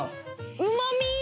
うまみ！